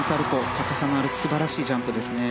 高さのある素晴らしいジャンプですね。